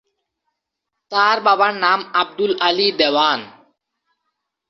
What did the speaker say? তার বাবার নাম আবদুল আলী দেওয়ান।